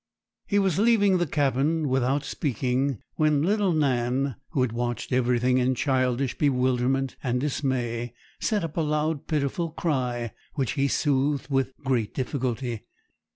He was leaving the cabin without speaking, when little Nan, who had watched everything in childish bewilderment and dismay, set up a loud, pitiful cry, which he soothed with great difficulty.